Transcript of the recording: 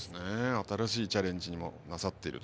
新しいチャレンジもなさっていると。